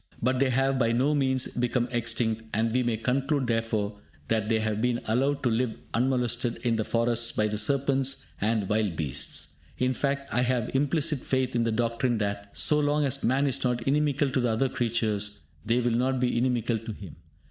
But they have by no means become extinct, and we may conclude, therefore, that they have been allowed to live unmolested in the forests by the serpents and wild beasts. In fact, I have implicit faith in the doctrine that, so long as man is not inimical to the other creatures, they will not be inimical to him.